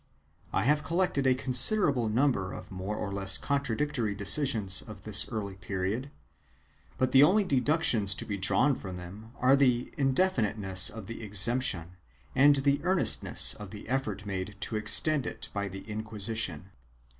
I have collected a considerable number of more or less contradictory decisions of this early period, but the only deductions to be drawn from them are the indefiniteness of the exemption and the earnest ness of the effort made to extend it by the Inquisition.